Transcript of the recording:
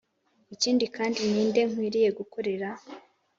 Ikindi kandi ni nde nkwiriye gukorera.